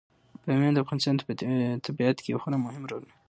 بامیان د افغانستان په طبیعت کې یو خورا مهم رول لري.